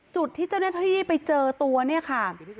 จุดที่เจ้าหน้าที่ไปเจอตัวเนี่ยค่ะ